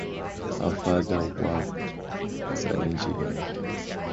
Her father worked as an engineer.